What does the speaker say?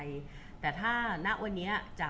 คุณผู้ถามเป็นความขอบคุณค่ะ